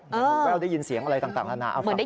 เหมือนหูแว้วได้ยินเสียงอะไรต่างละนะ